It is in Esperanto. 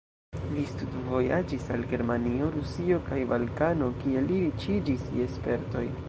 Li studvojaĝis al Germanio, Rusio kaj Balkano, kie li riĉiĝis je spertoj.